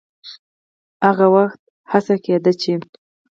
هغه وخت هڅه کېده چې